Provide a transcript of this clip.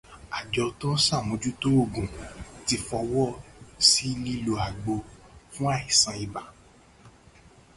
Àjọ tó ń ṣàmójútó ògùn ti fọwọ́ sí lílo àgbo fún àìsàn ibà.